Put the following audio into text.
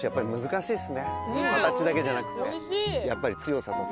形だけじゃなくてやっぱり強さとか。